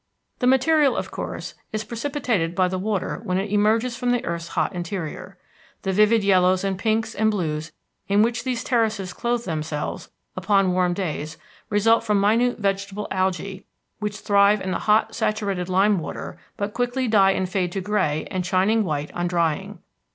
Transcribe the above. The material, of course, is precipitated by the water when it emerges from the earth's hot interior. The vivid yellows and pinks and blues in which these terraces clothe themselves upon warm days result from minute vegetable algæ which thrive in the hot saturated lime water but quickly die and fade to gray and shining white on drying.